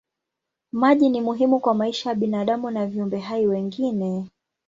Maji ni muhimu kwa maisha ya binadamu na viumbe hai wengine.